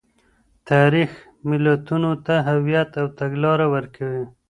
تاریخ ملتونو ته هویت او تګلاره ورکوي.